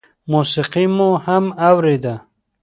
موسيقي مو هم اورېده.